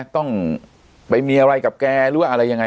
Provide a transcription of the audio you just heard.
ต้องไปมีอะไรกับแกหรือว่าอะไรยังไง